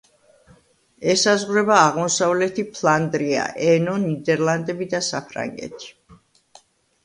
ესაზღვრება აღმოსავლეთი ფლანდრია, ენო, ნიდერლანდები და საფრანგეთი.